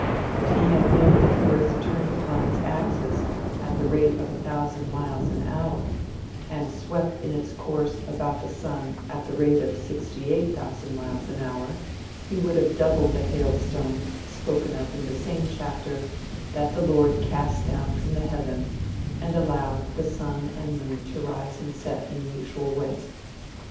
If he had known that the earth turned upon its axis at the rate of a thousand miles an hour, and swept in its course about the sun at the rate of sixty eight thousand miles an hour, he would have doubled the hailstones, spoken of in the same chapter, that the Lord cast down from heaven, and allowed the sun and moon to rise and set in the usual way.